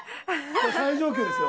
それ、最上級ですよ。